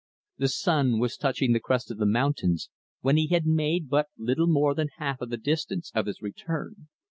The sun was touching the crest of the mountains when he had made but little more than half the distance of his return.